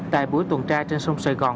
tại buổi tuần tra trên sông sài gòn